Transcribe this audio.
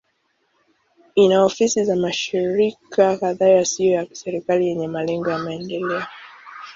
Ina ofisi za mashirika kadhaa yasiyo ya kiserikali yenye malengo ya maendeleo.